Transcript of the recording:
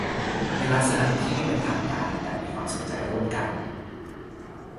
ในลักษณะที่ไม่เป็นทางการแต่มีความสนใจร่วมกัน